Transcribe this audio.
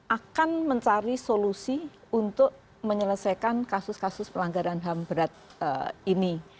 akan mencari solusi untuk menyelesaikan kasus kasus pelanggaran ham berat ini